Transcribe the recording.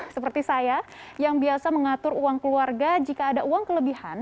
seperti saya yang biasa mengatur uang keluarga jika ada uang kelebihan